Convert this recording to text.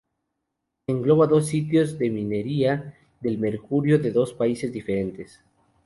Engloba dos sitios de minería del mercurio de dos países diferentes.